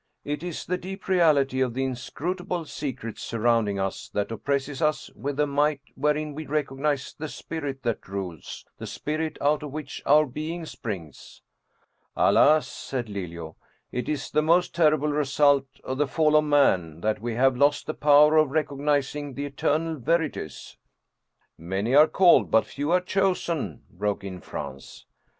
It is the deep reality of the in scrutable secrets surrounding us that oppresses us with a might wherein we' recognize the Spirit that rules, the Spirit out of which our being springs." " Alas," said Lelio, " it is the most terrible result of the fall of man, that we have lost the power of recognizing the eternal verities." " Many are called, but few are chosen," broke in Franz.